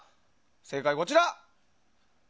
正解は、こちら。